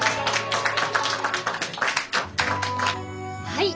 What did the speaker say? はい。